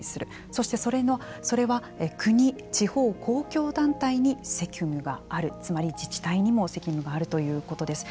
そして、それは国・地方公共団体に責務があるつまり自治体にも責務があるということです。